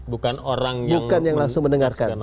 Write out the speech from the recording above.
bukan orang yang langsung mendengarkan